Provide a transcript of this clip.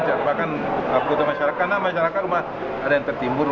padahal penjajahan uufathhisening ini sudah menggembarin keluarga yang timbul